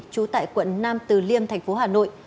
chú tại quận nam từ liêm tp hà nội